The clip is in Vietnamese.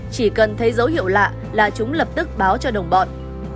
chỉ cần thấy dấu hiệu lạ là chúng lập tức báo cho đồng bọn